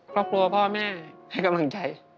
เพราะกลัวพ่อแม่ให้กำลังใจ